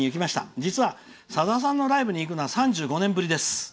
実はさださんのライブに行くのは３５年ぶりです。